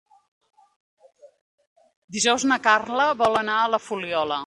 Dijous na Carla vol anar a la Fuliola.